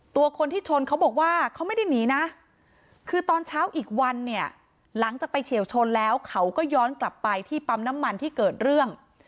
ตัวคนที่ชนเขาบอกว่าเขาไม่ได้หนีนะคือตอนเช้าอีกวันเนี่ยหลังจากไปเฉียวชนแล้วเขาก็ย้อนกลับไปที่ปั๊มน้ำมันที่เกิดเรื่อง